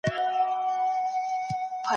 د واک ویش باید عادلانه وي.